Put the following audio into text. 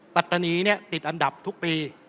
ปัตตานีติดอันดับทุกปี